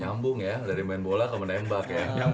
nyambung ya dari main bola ke menembak ya